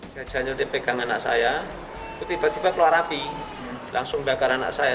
jajannya dia pegang anak saya tiba tiba keluar api langsung bakar anak saya